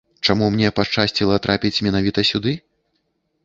Чаму мне пашчасціла трапіць менавіта сюды?